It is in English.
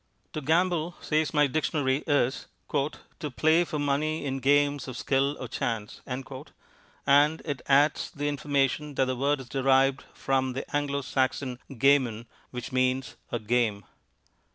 To gamble, says my dictionary, is "to play for money in games of skill or chance," and it adds the information that the word is derived from the Anglo Saxon gamen, which means "a game".